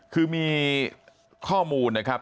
คือมีข้อมูลนะครับ